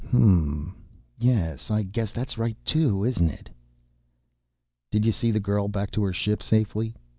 "Hm m m ... yes, I guess that's right, too, isn't it?" "Did you see the girl back to her ship safely?"